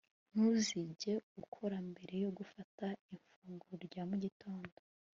ntuzigere ukora mbere yo gufata ifunguro rya mu gitondo